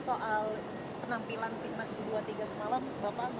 soal penampilan tim mas duwatiga semalam bapak